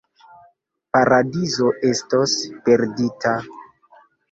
Paradizo estos perdita.